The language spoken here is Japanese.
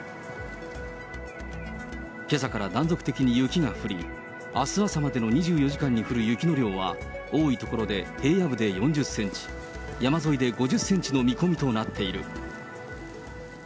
けさから断続的に雪が降り、あす朝までの２４時間に降る雪の量は、多い所で平野部で４０センチ、山沿いで５０センチの見込みとなっている。